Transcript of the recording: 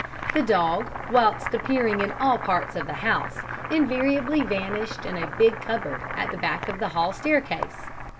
The dog, whilst appearing in all parts of the house, invariably vanished in a big cupboard at the back of the hall staircase.